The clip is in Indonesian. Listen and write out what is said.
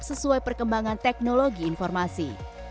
sesuai perkembangan teknologi informasi